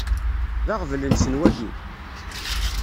D aɣbel-nsen wagi?